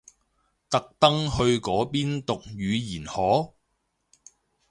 特登去嗰邊讀語言學？